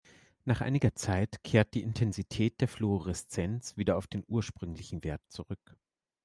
Nach einiger Zeit kehrt die Intensität der Fluoreszenz wieder auf den ursprünglichen Wert zurück.